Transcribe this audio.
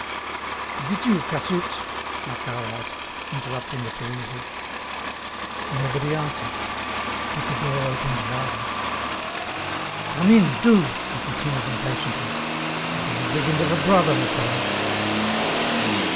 "Is it you, Cassoute?" Macquart asked, interrupting the perusal. Nobody answered; but the door opened wider. "Come in, do!" he continued, impatiently. "Is my brigand of a brother at home?"